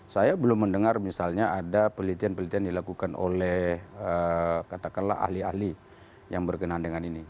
saya belum mendengar misalnya ada penelitian penelitian dilakukan oleh katakanlah ahli ahli yang berkenaan dengan ini